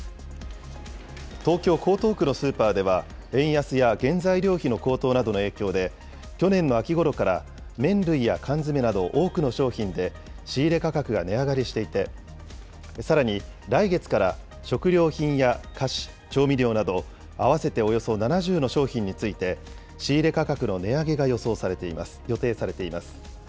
東京・江東区のスーパーでは、円安や原材料費の高騰などの影響で、去年の秋ごろから麺類や缶詰など多くの商品で仕入れ価格が値上がりしていて、さらに、来月から食料品や菓子・調味料など、合わせておよそ７０の商品について、仕入れ価格の値上げが予定されています。